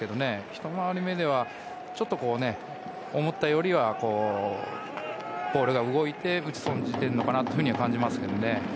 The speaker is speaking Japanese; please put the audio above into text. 一回り目ではちょっと思ったよりはボールが動いて打ち損じているのかなと感じますね。